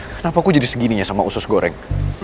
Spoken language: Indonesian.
kenapa kok jadi segininya sama usus goreng